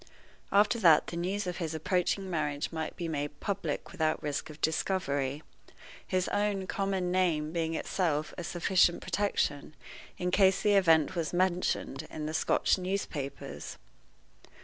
After that the news of his approaching marriage might be made public without risk of discovery, his own common name being of itself a sufficient protection in case the event was mentioned in the Scotch newspapers.